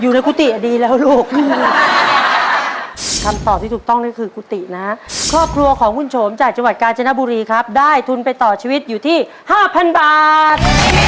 กุฏิดีแล้วลูกคำตอบที่ถูกต้องนั่นคือกุฏินะครอบครัวของคุณโฉมจากจังหวัดกาญจนบุรีครับได้ทุนไปต่อชีวิตอยู่ที่๕๐๐บาท